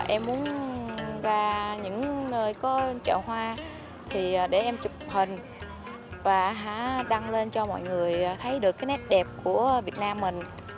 em muốn ra những nơi có chợ hoa thì để em chụp hình và đăng lên cho mọi người thấy được cái nét đẹp của việt nam mình